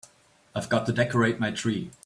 I've got to decorate my tree.